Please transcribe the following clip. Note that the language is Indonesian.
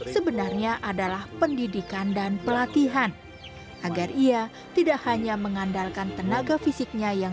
sebenarnya adalah pendidikan dan pelatihan agar ia tidak hanya mengandalkan tenaga fisiknya yang